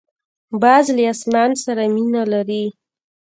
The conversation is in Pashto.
باز له اسمان سره مینه لري